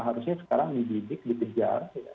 harusnya sekarang dibidik dikejar